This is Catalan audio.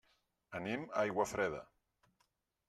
Anem a Aiguafreda.